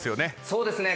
そうですね。